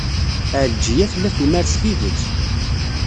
Ɛelǧiya tella tumar s tidet.